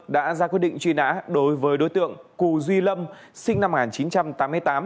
đã ra quyết định truy nã đối với đối tượng cù duy lâm sinh năm một nghìn chín trăm tám mươi tám